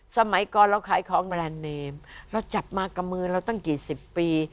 สมัยก่อนเราขายของแนนเนมเราจับมากับมือเราตั้งกี่สิบปี